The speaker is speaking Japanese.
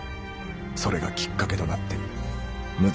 それがきっかけとなって六